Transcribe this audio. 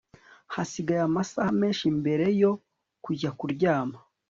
hasigaye amasaha menshi mbere yo kujya kuryama